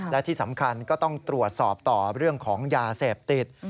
และที่สำคัญก็ต้องตรวจสอบต่อเรื่องของยาเสพติด